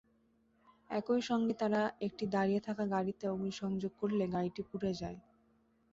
একই সঙ্গে তাঁরা একটি দাঁড়িয়ে থাকা গাড়িতে অগ্নিসংযোগ করলে গাড়িটি পুড়ে যায়।